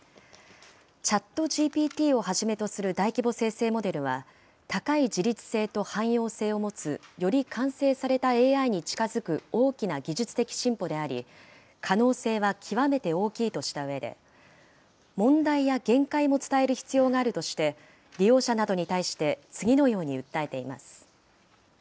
ＣｈａｔＧＰＴをはじめとする大規模生成モデルは、高い自律性と汎用性を持つ、より完成されたＡＩに近づく大きな技術的進歩であり、可能性は極めて大きいとしたうえで、問題や限界も伝える必要があるとして、利用者などに対して次のように訴えています。